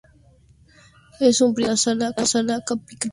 En un principio fue la sala capitular.